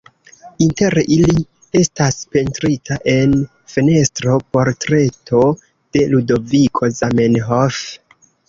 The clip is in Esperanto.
Inter ili estas pentrita en fenestro, portreto de Ludoviko Zamenhof.